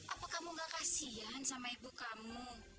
apa kamu gak kasian sama ibu kamu